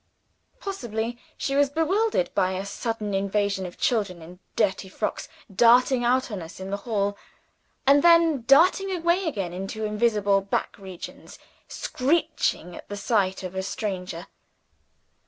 Possibly, she was bewildered by a sudden invasion of children in dirty frocks, darting out on us in the hall, and then darting away again into invisible back regions, screeching at the sight of a stranger.